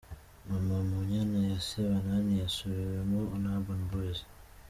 Mama Munyana ya Sebanani yasubiwemo na Urban Boyz.